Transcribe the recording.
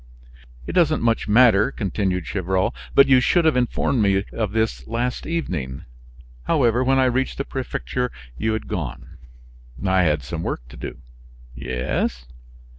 "It doesn't much matter," continued Gevrol; "but you should have informed me of this last evening. However, when I reached the prefecture you had gone." "I had some work to do." "Yes?"